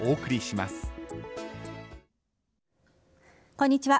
こんにちは。